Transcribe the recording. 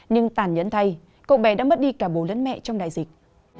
nhưng tàn nhẫn thay cậu bé đã mất đi cả bố lẫn mẹ trong đại dịch